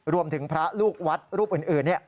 รวมถึงพระลูกวัดรูปอื่นเนี่ย